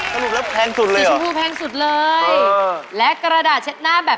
แพงกว่าแพงกว่าแพงกว่าแพงกว่าแพงกว่า